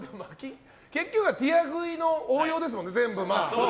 結局はティア喰いの応用ですもんね。